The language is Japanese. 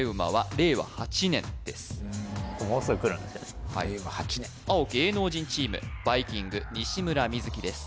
令和８年青芸能人チームバイきんぐ西村瑞樹です